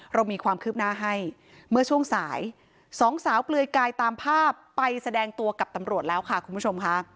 เรามีความคืบหน้าให้เมื่อช่วงสายสองสาวเปลือยกายตามภาพไปแสดงตัวกับตำรวจแล้วค่ะคุณผู้ชมค่ะ